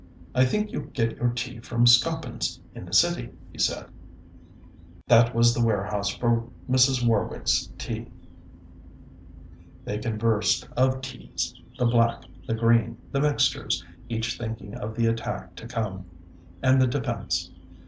'I think you get your tea from Scoppin's, in the City,' he said. That was the warehouse for Mrs. Warwick's tea. They conversed of Teas; the black, the green, the mixtures; each thinking of the attack to come, and the defence.